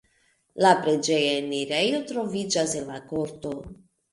La preĝeja enirejo troviĝas en la korto.